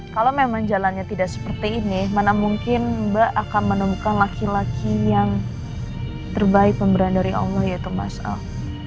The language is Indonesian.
kalau memang jalannya tidak seperti ini mana mungkin mbak akan menemukan laki laki yang terbaik pemberan dari allah yaitu mas al